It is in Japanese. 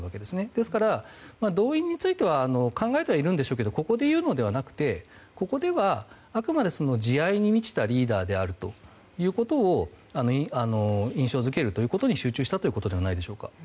ですから、動員については考えてはいるんでしょうけどここで言うのではなくてここではあくまで慈愛に満ちたリーダーであるということを印象付けるということに集中したということじゃないでしょうか。